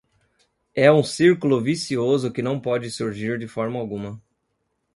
É um círculo vicioso que não pode surgir de forma alguma.